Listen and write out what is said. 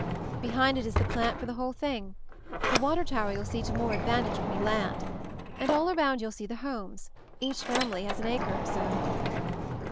Behind it is the plant for the whole thing. The water tower you'll see to more advantage when we land. And all around you see the homes; each family has an acre or so."